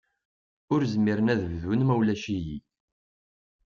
Ur zmiren ad bdun ma ulac-iyi.